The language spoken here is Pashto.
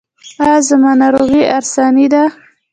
ایا زما ناروغي ارثي ده؟